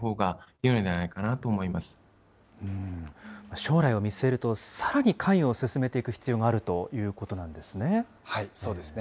将来を見据えると、さらに関与を進めていく必要があるということなんですね。